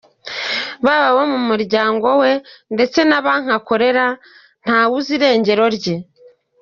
Baba abo mu muryango we ndetse na banki akorera, ntawe uzi irengero rye